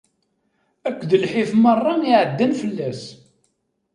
Akked lḥif merra iɛeddan fell-as!